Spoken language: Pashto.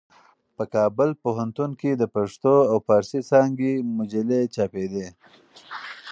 په کابل پوهنتون کې د پښتو او فارسي څانګې مجلې چاپېدې.